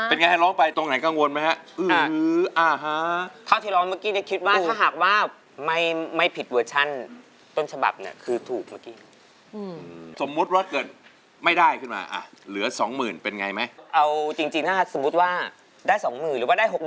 เอาจริงถ้าสมมุติว่าได้สองหมื่นหรือว่าได้หกหมื่น